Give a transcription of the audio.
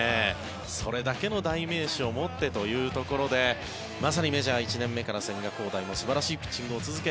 それだけの代名詞を持ってというところでまさにメジャー１年目から千賀滉大も素晴らしいピッチングを続け